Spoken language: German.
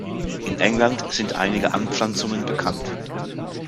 In England sind einige Anpflanzungen bekannt.